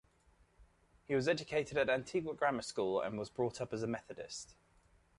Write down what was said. He was educated at Antigua Grammar School and was brought up as a Methodist.